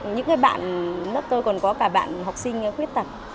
những bạn lớp tôi còn có cả bạn học sinh khuyết tật